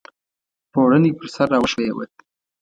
پوړنی پر سر را وښویوه !